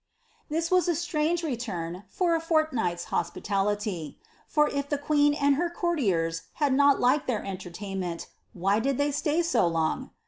'^ This was a strange return for a fortnight^s hospitality; for if the queen and her courtiers had not likeil their entertainment, why did they itay so long?